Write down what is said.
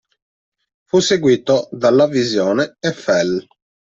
Fu seguito da "La visione" e "Fell".